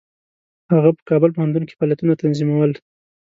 هغه په کابل پوهنتون کې فعالیتونه تنظیمول.